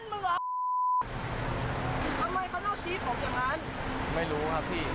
ทำไมคุณต้องไหว้กับคนไทยด้วยอ่ะ